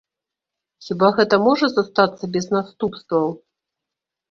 Хіба гэта можа застацца без наступстваў?